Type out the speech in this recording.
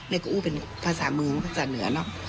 กูอู้เป็นภาษามือภาษาเหนือเนอะ